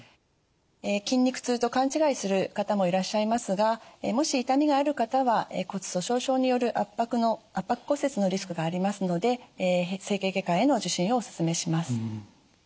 筋肉痛と勘違いする方もいらっしゃいますがもし痛みがある方は骨粗しょう症による圧迫骨折のリスクがありますので整形外科への受診をおすすめします。